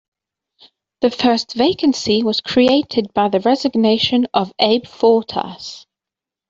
The first vacancy was created by the resignation of Abe Fortas.